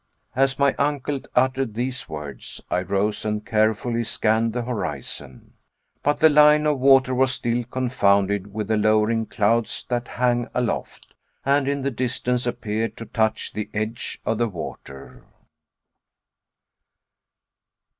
As my uncle uttered these words, I rose and carefully scanned the horizon. But the line of water was still confounded with the lowering clouds that hung aloft, and in the distance appeared to touch the edge of the water.